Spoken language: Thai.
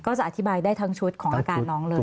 จะอธิบายได้ทั้งชุดของอาการน้องเลย